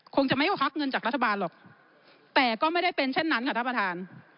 คงจะไม่ควักเงินจากรัฐบาลหรอกแต่ก็ไม่ได้เป็นเช่นนั้นค่ะท่านประธาน